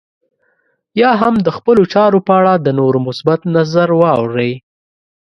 يا هم د خپلو چارو په اړه د نورو مثبت نظر واورئ.